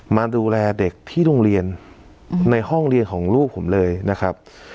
มาดูแลเด็กที่โรงเรียนในห้องเรียนของลูกผมเลยนะครับ